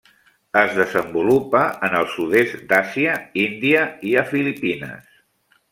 Es desenvolupa en el sud-est d'Àsia, Índia i a Filipines.